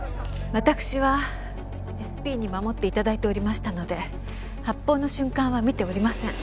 わたくしはＳＰに護って頂いておりましたので発砲の瞬間は見ておりません。